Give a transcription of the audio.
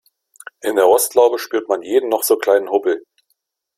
In der Rostlaube spürt man jeden noch so kleinen Hubbel.